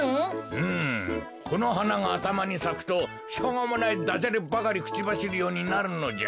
うむこのはながあたまにさくとしょうもないダジャレばかりくちばしるようになるのじゃ。